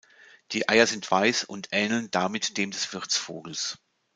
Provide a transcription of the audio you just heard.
Die Eier sind weiß und ähneln damit dem des Wirtsvogels.